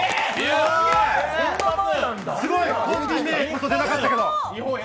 すごい、コンビ名なかったけど。